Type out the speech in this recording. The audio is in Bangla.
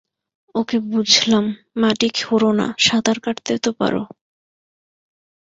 ওকে, বুঝলাম মাটি খোড়ো না, সাঁতার কাটতে তো পারো?